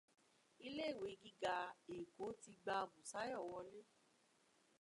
Ilé-ìwé gíga Èkó ti gba Bùsáyọ̀ wọlé.